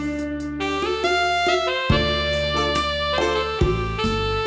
โชคดีครับ